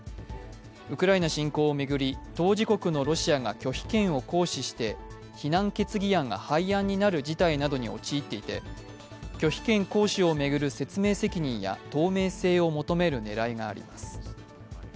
ウクライナ侵攻を巡り、当事国のロシアが拒否権を行使して非難決議案が廃案になる事態などに陥っていて拒否権行使を巡る説明責任や透明性を求める狙いがあります。